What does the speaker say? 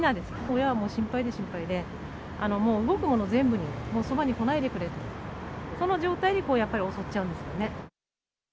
親は心配で心配で、もう動くもの全部に、そばに来ないでくれって、その状態で襲っちゃうんですよね。